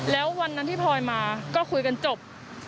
แล้ววันนั้นที่พลอยมาก็คุยกันจบ